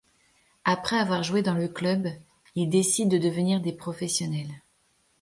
Après avoir joué dans le club, ils décident de devenir des professionnels.